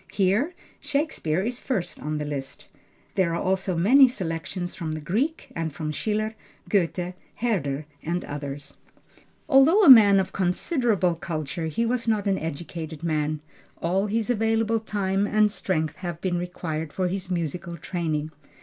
Here, Shakespeare is first on the list. There are also many selections from the Greek, and from Schiller, Goethe, Herder and others. Although a man of considerable culture, he was not an educated man, all his available time and strength having been required for his musical training.